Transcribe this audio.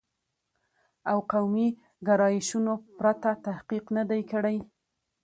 او قومي ګرایشونو پرته تحقیق نه دی کړی